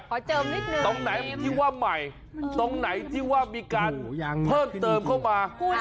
เจิมนิดนึงตรงไหนที่ว่าใหม่ตรงไหนที่ว่ามีการเพิ่มเติมเข้ามา